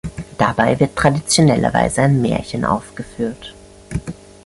Dabei wird traditionellerweise ein Märchen aufgeführt.